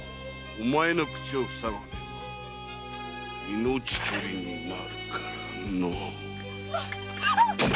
お前の口を塞がねば命取りになるからのう。